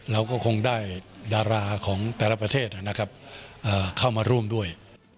เราก็คงได้ดาราของแต่ละประเทศนะครับเข้ามาร่วมด้วย